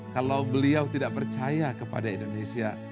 kalau beliau tidak percaya kepada indonesia